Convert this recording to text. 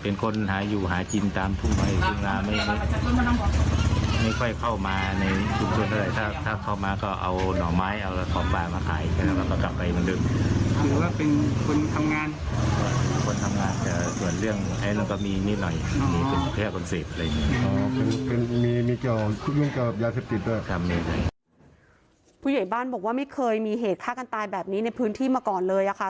ผู้ใหญ่บ้านบอกว่าไม่เคยมีเหตุฆ่ากันตายแบบนี้ในพื้นที่มาก่อนเลยค่ะ